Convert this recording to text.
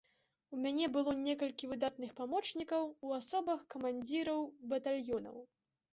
У мяне было некалькі выдатных памочнікаў у асобах камандзіраў батальёнаў.